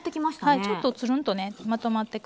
はいちょっとつるんとねまとまってくるんですね。